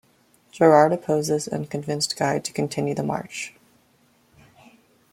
Gerard opposed this, and convinced Guy to continue the march.